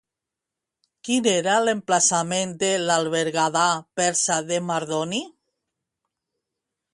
Quin era l'emplaçament de l'albergada persa de Mardoni?